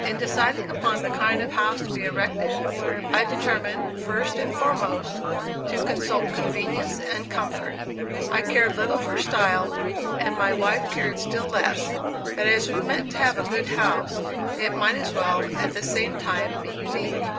In deciding upon the kind of house to be erected, I determined, first and foremost, to consult convenience and comfort. I cared little for style, and my wife cared still less; but as we meant to have a good house, it might as well, at the same time, be unique.